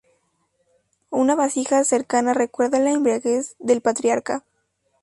Una vasija cercana recuerda la embriaguez del patriarca.